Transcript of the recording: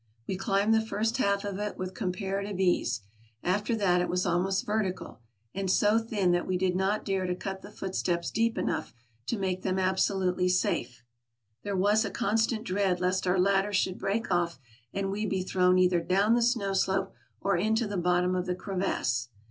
We climbed the first half of it with com parative ease ; after that it was almost vertical, and so thin that we did not dare to cut the footsteps deep enough to make them absolutely safe. There was a constant dread lest our ladder should break off, and we be thrown either down the snow slope or into the bottom of the crevasse.